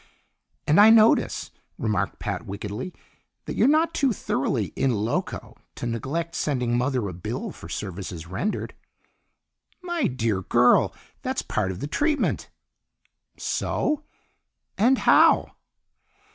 "And I notice," remarked Pat wickedly, "that you're not too thoroughly in loco to neglect sending Mother a bill for services rendered!" "My dear girl, that's part of the treatment!" "So? And how?"